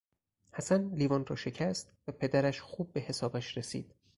حسن لیوان را شکست و پدرش خوب به حسابش رسید.